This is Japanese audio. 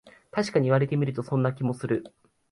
たしかに言われてみると、そんな気もする